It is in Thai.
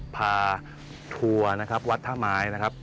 ทัวร์นะครับวัดท่าไม้นะครับ